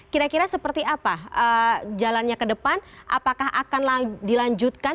kira kira seperti apa jalannya ke depan apakah akan dilanjutkan